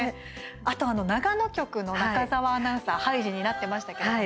あと、長野局の中澤アナウンサーハイジになってましたけれども。